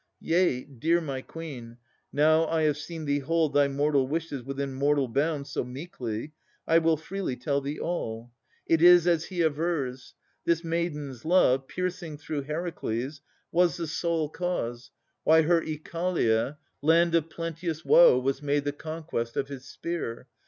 Yea, dear my Queen, now I have seen thee hold Thy mortal wishes within mortal bound So meekly, I will freely tell thee all. It is as he avers. This maiden's love, Piercing through Heracles, was the sole cause, Why her Oechalia, land of plenteous woe, Was made the conquest of his spear.